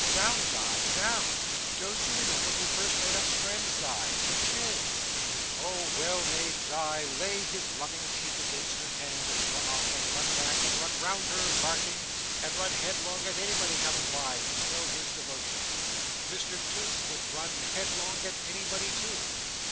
"Down, Di, down. Don't you remember who first made us friends, Di? For shame!" Oh! Well may Di lay his loving cheek against her hand, and run off, and run back, and run round her, barking, and run headlong at anybody coming by, to show his devotion. Mr Toots would run headlong at anybody, too.